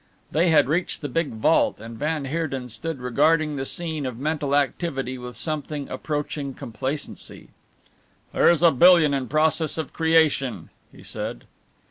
They had reached the big vault and van Heerden stood regarding the scene of mental activity with something approaching complacency. "There is a billion in process of creation," he said.